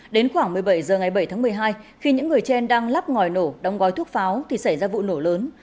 đến khoảng một mươi bảy h ngày bảy tháng một mươi hai khi những người trên đang lắp ngòi nổ đóng gói thuốc pháo thì xảy ra vụ nổ lớn